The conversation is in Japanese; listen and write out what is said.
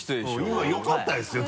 今よかったですよ